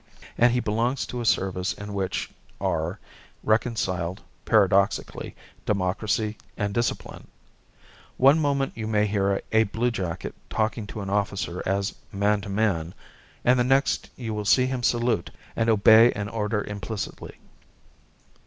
And he belongs to a service in which are reconciled, paradoxically, democracy and discipline. One moment you may hear a bluejacket talking to an officer as man to man, and the next you will see him salute and obey an order implicitly.